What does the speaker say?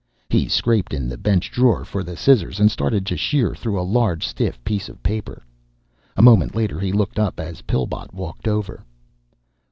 He scraped in the bench drawer for the scissors, and started to sheer through a large stiff piece of paper. A moment later he looked up as Pillbot walked over.